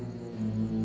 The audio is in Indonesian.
tidak pak man